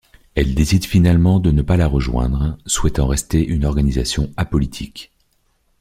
Elle décide finalement de ne pas la rejoindre, souhaitant rester une organisation apolitique.